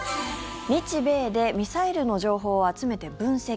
日米でミサイルの情報を集めて分析。